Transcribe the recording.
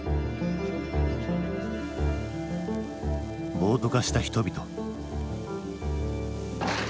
暴徒化した人々。